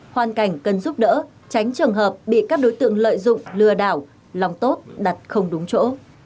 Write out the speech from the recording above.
hoàn cảnh cần giúp đỡ tránh trường hợp bị các đối tượng lợi dụng lừa đảo lòng tốt đặt không đúng chỗ